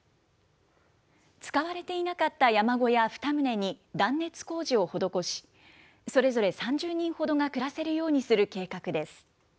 使われていなかった山小屋２棟に、断熱工事を施し、それぞれ３０人ほどが暮らせるようにする計画です。